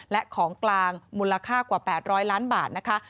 และของกลางมูลค่ากว่า๘๐๐ล้านบาทนะคะ